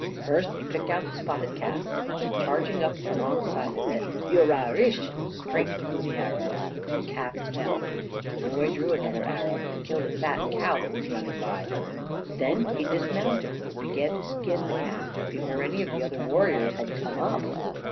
First he picked out the spotted calf, and charging up alongside of it, U ra rish! straight flew the arrow. The calf fell. The boy drew another arrow, and killed a fat cow that was running by. Then he dismounted and began to skin the calf, before any of the other warriors had come up.